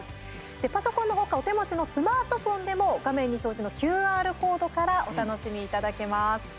パソコンの他お手持ちのスマートフォンでも画面に表示のＱＲコードからお楽しみいただけます。